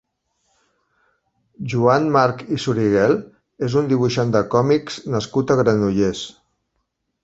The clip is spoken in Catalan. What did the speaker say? Joan March i Zuriguel és un dibuixant de còmics nascut a Granollers.